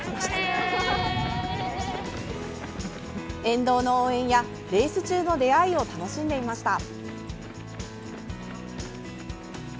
沿道の応援や、レース中の出会いを楽しんでいました。